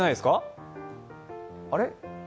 あれ？